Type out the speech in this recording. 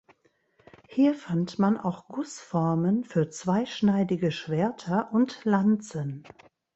Hier fand man auch Gussformen für zweischneidige Schwerter und Lanzen.